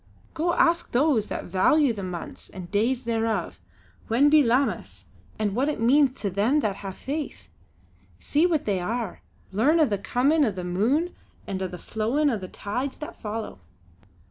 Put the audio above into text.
Go ask those that value the months and days thereof, when be Lammas and what it means to them that hae faith. See what they are; learn o' the comin' o' the moon and o' the flowin' o' the tides that follow!"